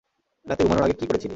রাতে ঘুমানোর আগে কি করেছিলি?